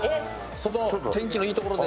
外天気のいいところで。